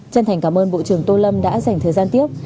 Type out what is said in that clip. chân thành cảm ơn bộ trưởng tô lâm đã dành thời gian tiếp